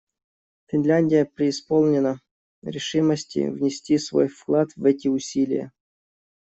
Финляндия преисполнена решимости внести свой вклад в эти усилия.